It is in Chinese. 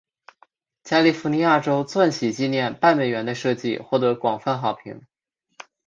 加利福尼亚州钻禧纪念半美元的设计获得广泛好评。